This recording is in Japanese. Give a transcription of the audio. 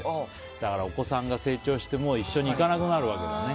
だから、お子さんが成長してもう一緒に行かなくなるわけだね。